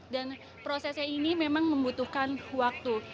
dan prosesnya ini memang membutuhkan waktu